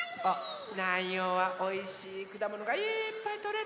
南陽はおいしいくだものがいっぱいとれるもんね。